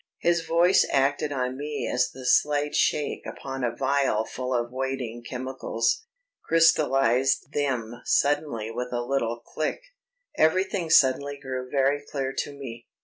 His voice acted on me as the slight shake upon a phial full of waiting chemicals; crystallised them suddenly with a little click. Everything suddenly grew very clear to me.